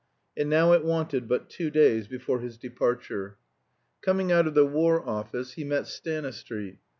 And now it wanted but two days before his departure. Coming out of the War Office he met Stanistreet.